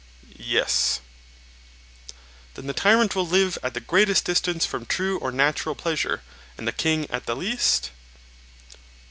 Yes. Then the tyrant will live at the greatest distance from true or natural pleasure, and the king at the least?